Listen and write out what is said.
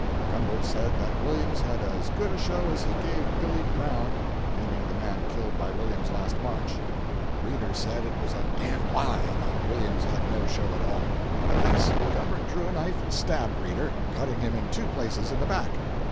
Gumbert said that Williams had "as good a show as he gave Billy Brown," meaning the man killed by Williams last March. Reeder said it was a d— d lie, that Williams had no show at all. At this, Gumbert drew a knife and stabbed Reeder, cutting him in two places in the back.